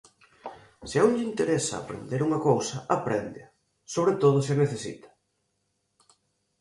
Se a un lle interesa aprender unha cousa, apréndea, sobre todo se a necesita